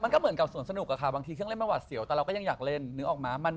มันก็เหมือนกับส่วนสนุกค่ะบางทีเครื่องเล่นไม่ว่าเสียวแต่เราก็ยังอยากเล่น